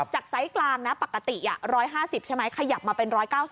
ไซส์กลางนะปกติ๑๕๐ใช่ไหมขยับมาเป็น๑๙๐